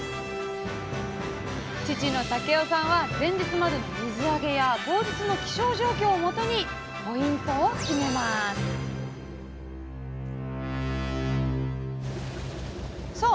父の武男さんは前日までの水揚げや当日の気象状況をもとにポイントを決めますさあ